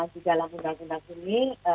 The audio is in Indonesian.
di dalam undang undang ini